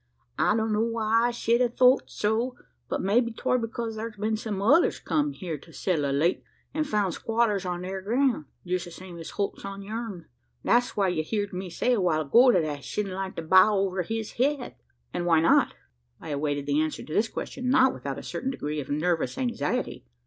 I don know why I shed a thort so; but maybe 'twar because thar's been some others come here to settle o' late, an' found squatters on thar groun jest the same as Holt's on yourn. That's why ye heerd me say, a while ago, that I shedn't like to buy over his head." "And why not?" I awaited the answer to this question, not without a certain degree of nervous anxiety.